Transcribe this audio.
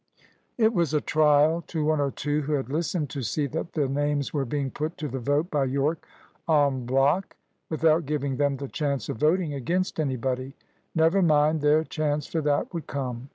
It was a trial to one or two who had listened to see that the names were being put to the vote by Yorke en bloc, without giving them the chance of voting against anybody. Never mind, their chance for that would come!